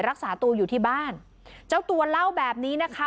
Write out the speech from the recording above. รักษาตัวอยู่ที่บ้านเจ้าตัวเล่าแบบนี้นะคะ